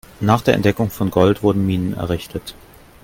Nach der Entdeckung von Gold wurden Minen errichtet.